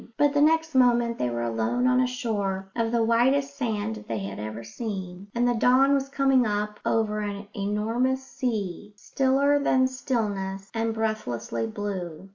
But the next moment they were alone on a shore of the whitest sand that they had ever seen, and the dawn was coming up over an enormous sea, stiller than stillness and breathlessly blue.